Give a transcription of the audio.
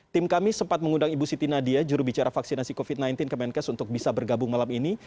tim kami sempat mengundang ibu siti nadia jurubicara vaksinasi covid sembilan belas kemenkes untuk bisa bergabung malam ini